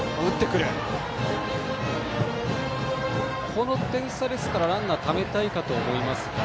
この点差ですから、ランナーをためたいかと思いますが。